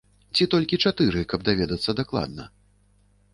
Ці толькі чатыры, каб даведацца дакладна?